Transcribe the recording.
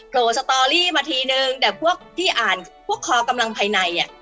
โผล่สตอรี่มาทีนึงแต่พวกที่อ่านพวกคอกำลังภายในอ่ะ